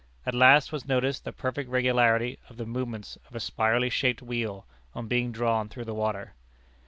At last was noticed the perfect regularity of the movements of a spirally shaped wheel, on being drawn through the water.